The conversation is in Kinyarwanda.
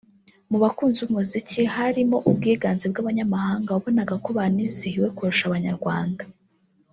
mu bakunzi b’umuziki harimo ubwiganze bw’abanyamahanga wabonaga ko banizihiwe kurusha Abanyarwanda